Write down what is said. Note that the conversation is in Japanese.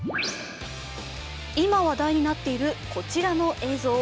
今、話題になっているこちらの映像。